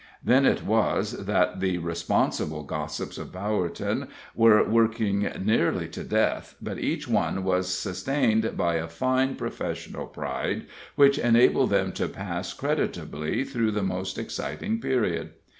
Then it was that the responsible gossips of Bowerton were worked nearly to death, but each one was sustained by a fine professional pride which enabled them to pass creditably through the most exciting period.